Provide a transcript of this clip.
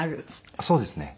そうですね。